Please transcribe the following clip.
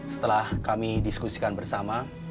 setelah kami diskusikan bersama